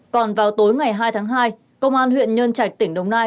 còn vào tối ngày hai tháng hai công an huyện nhân trạch tỉnh đồng nai